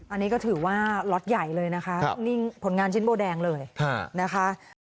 อันนี้ก็ถือว่าล็อตใหญ่เลยนะคะนิ่งผลงานชิ้นโบแดงเลยนะคะ